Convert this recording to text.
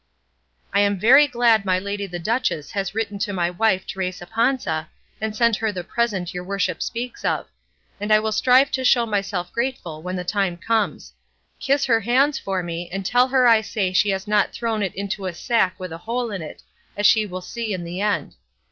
I am very glad my lady the duchess has written to my wife Teresa Panza and sent her the present your worship speaks of; and I will strive to show myself grateful when the time comes; kiss her hands for me, and tell her I say she has not thrown it into a sack with a hole in it, as she will see in the end.